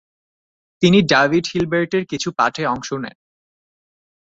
তিনি ডাভিড হিলবের্টের কিছু পাঠে অংশ নেন।